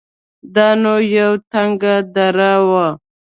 دا نو يوه تنگه دره وه.